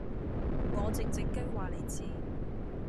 我靜靜雞話你知